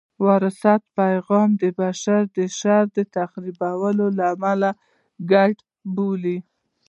د وراثت پیغام د بشر د شر او تخریب په عمل کې ګډ بولي.